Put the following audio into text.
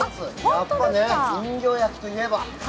やっぱり人形焼きといえば。